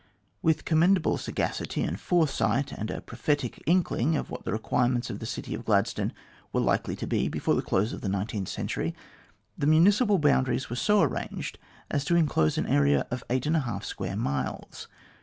With commendable saga city and foresight, and a prophetic inkling of what the requirements of the city of Gladstone were likely to be before the close of the nineteenth century, the municipal boundaries were so arranged as to enclose an area of eight and a half square miles.